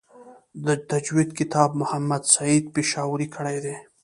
د تجوید کتابت محمد سعید پشاوری کړی دی.